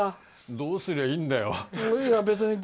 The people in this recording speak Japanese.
どうすりゃいいんだよ。